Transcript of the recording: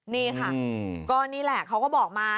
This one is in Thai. นี่ค่ะก็นี่แหละเขาก็บอกมา